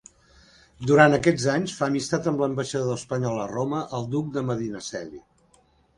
Durant aquests anys fa amistat amb l'ambaixador espanyol a Roma, el duc de Medinaceli.